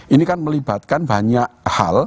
ini kan melibatkan banyak hal